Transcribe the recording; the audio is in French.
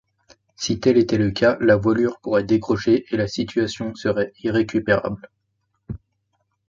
Si tel était le cas, la voilure pourrait décrocher et la situation serait irrécupérable.